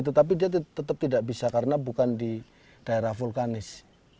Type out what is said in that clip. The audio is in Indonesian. tetapi dia tetap tidak bisa karena bukan di daerah vulkanis